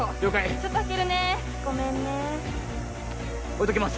ちょっと開けるねごめんね置いときます